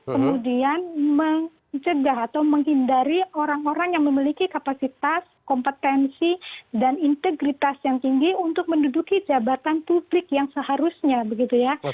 kemudian mencegah atau menghindari orang orang yang memiliki kapasitas kompetensi dan integritas yang tinggi untuk menduduki jabatan publik yang seharusnya begitu ya